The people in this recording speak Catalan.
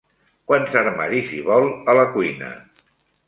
Quants armaris hi vol, a la cuina?